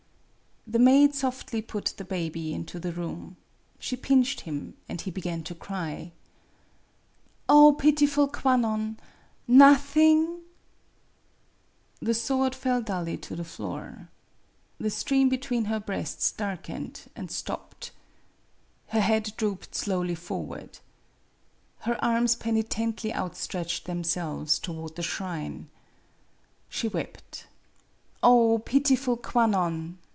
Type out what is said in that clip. THE maid softly put the baby into the room. She pinched him, and he began to cry. " Oh, pitiful Kwannon ! Nothing ?" The sword fell dully to the floor. The stream between her breasts darkened and 86 MADAME BUTTERFLY stopped. Her head drooped slowly forward. Her arms penitently outstretched themselves toward the shrine. She wept. "Oh, pitiful Kwannon!"